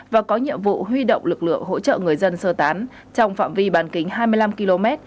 và có nhiệm vụ huy động lực lượng hỗ trợ người dân sơ tán trong phạm vi bàn kính hai mươi năm km